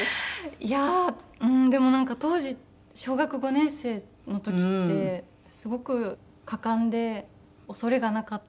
いやーでもなんか当時小学５年生の時ってすごく果敢で恐れがなかったし。